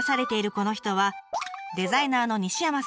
この人はデザイナーの西山さん。